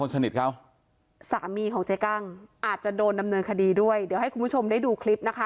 สนิทเขาสามีของเจ๊กั้งอาจจะโดนดำเนินคดีด้วยเดี๋ยวให้คุณผู้ชมได้ดูคลิปนะคะ